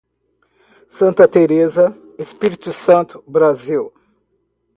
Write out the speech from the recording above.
Santa Teresa, Espírito Santo, Brasil